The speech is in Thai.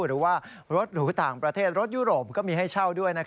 หรือว่ารถหรูต่างประเทศรถยุโรปก็มีให้เช่าด้วย